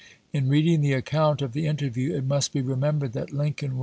In reading the account of the interview, it must be remembered that Lincoln was Chap.